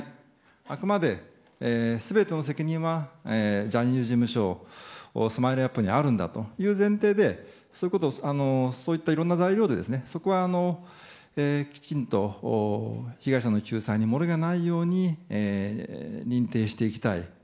あくまで全ての責任はジャニーズ事務所ＳＭＩＬＥ‐ＵＰ．にあるんだという前提でそういったいろんな材料でそこきちんと被害者の救済に漏れがないように認定していきたい。